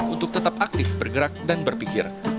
untuk tetap aktif bergerak dan berpikir